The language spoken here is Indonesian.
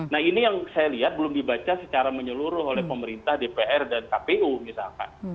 nah ini yang saya lihat belum dibaca secara menyeluruh oleh pemerintah dpr dan kpu misalkan